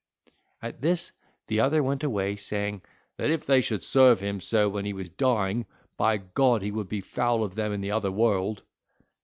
At this, the other went away, saying, "that if they should serve him so when he was dying, by God he would be foul of them in the other world."